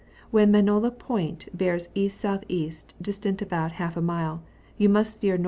When Mannola Foint bears E.S.E., distant about half a mile, you must steer N.W.